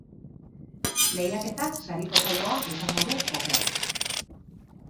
Lehiaketak sari potoloa izango du jokoan.